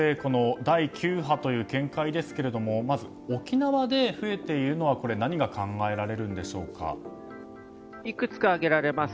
第９波という見解ですけれどもまず沖縄で増えているのはいくつか挙げられます。